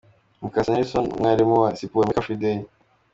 Mukasa Nelson umwalimu wa Siporo muri Car Free Day .